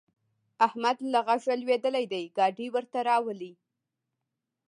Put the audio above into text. احمد له غږه لوېدلی دی؛ ګاډی ورته راولي.